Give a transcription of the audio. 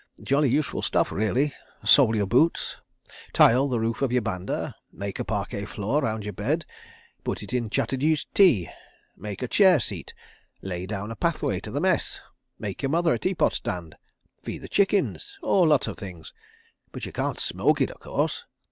... Jolly useful stuff, really. ... Sole your boots, tile the roof of your banda, make a parquet floor round your bed, put it in Chatterji's tea, make a chair seat, lay down a pathway to the Mess, make your mother a teapot stand, feed the chickens—oh, lots of things. But you can't smoke it, of course.